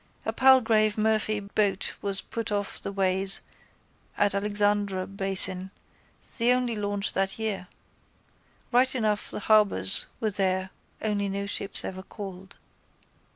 A Palgrave Murphy boat was put off the ways at Alexandra basin, the only launch that year. Right enough the harbours were there only no ships ever called.